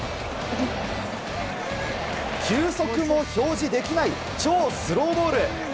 球速も表示できない超スローボール。